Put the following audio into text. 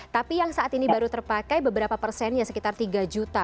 tapi yang saat ini baru terpakai beberapa persennya sekitar tiga juta